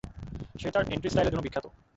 সে তার এন্ট্রি স্টাইলের জন্য বিখ্যাত।